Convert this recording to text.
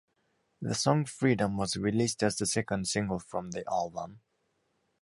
The song "Freedom" was released as the second single from the album.